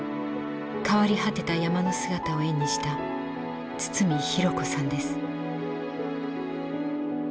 変わり果てた山の姿を絵にした堤寛子さんです。